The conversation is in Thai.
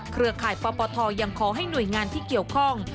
เครือข่ายปปทยังขอให้หน่วยงานที่เกี่ยวข้อง